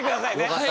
はい。